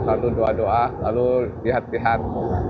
lalu doa doa lalu lihat lihat